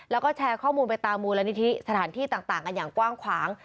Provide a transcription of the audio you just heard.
แล้วก็แชร์ข้อมูลไปตามมูลนิธิสถานที่ต่างกันอย่างกว้างขวาง